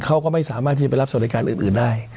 เขาก็ไม่สามารถที่จะไปรับสวัสดิการอื่นได้